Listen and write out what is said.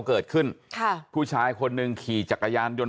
เกิดขึ้นค่ะผู้ชายคนหนึ่งขี่จักรยานยนต์